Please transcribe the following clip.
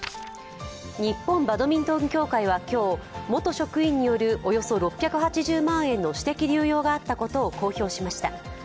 日本バドミントン協会は今日、元職員によるおよそ６８０万円の私的流用があったことを公表しました。